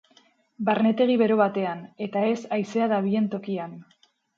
Barnetegi bero batean, eta ez haizea dabilen tokian.